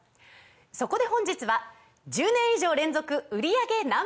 そこで本日は１０年以上連続売り上げＮｏ．１